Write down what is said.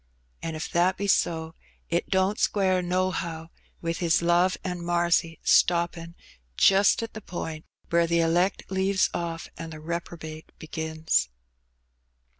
An' if that be so, it don't square nohow with His love an' marcy stoppin' just at the point where the elect leaves oflF an' the repro bate begins."